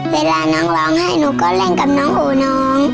เวลาน้องร้องให้หนูก็เล่นกับน้องโอน้อง